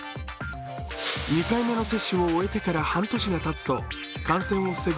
２回目の接種を終えてから半年がたつと感染を防ぐ